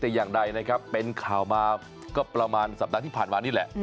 แต่อย่างใดนะครับเป็นข่าวมาก็ประมาณสัปดาห์ที่ผ่านมานี่แหละ